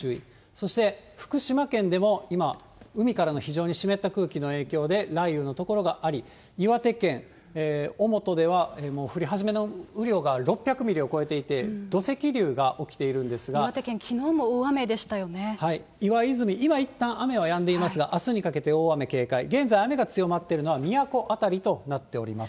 そして福島県でも今、海からの非常に湿った空気の影響で、雷雨の所があり、岩手県おもとではもう降り始めからの雨量が６００ミリを超えてい岩手県、きのうも大雨でした岩泉、今いったん雨はやんでいますが、あすにかけて大雨警戒、雨が強まっているのはみやこ辺りとなっております。